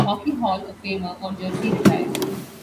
Hockey Hall of Famer or jersey retired.